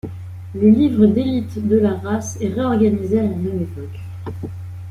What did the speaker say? Le livre d'élite de la race est réorganisé à la même époque.